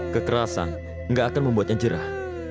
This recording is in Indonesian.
kekerasan gak akan membuatnya jerah